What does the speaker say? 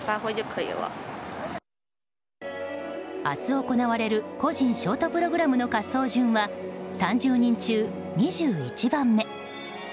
明日行われる個人ショートプログラムの滑走順は、３０人中２１番目。